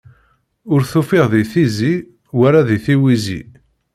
Ur t-ufiɣ di tizi, wala di tiwizi.